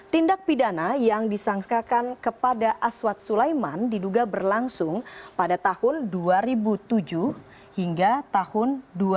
tindak pidana yang disangkakan kepada aswad sulaiman diduga berlangsung pada tahun dua ribu tujuh hingga tahun dua ribu